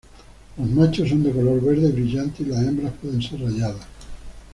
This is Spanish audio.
Los machos son de color verde brillante y las hembras pueden ser rayadas.